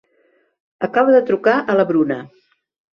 Acaba de trucar a la Bruna.